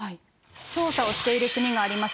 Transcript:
調査をしている国があります。